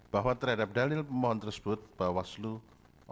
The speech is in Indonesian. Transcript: bahwa terhadap dalil pemohon tersebut bawaslu